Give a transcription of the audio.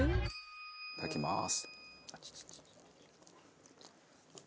いただきます。